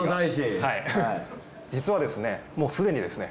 実はですねもうすでにですね